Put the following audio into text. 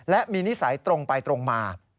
และมีนิสัยตรงไปตรงมา